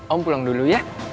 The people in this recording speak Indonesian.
om pulang dulu ya